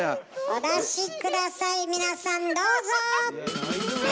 お出し下さい皆さんどうぞ！